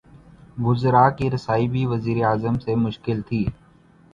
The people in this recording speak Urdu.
وزرا کی رسائی بھی وزیر اعظم سے مشکل تھی۔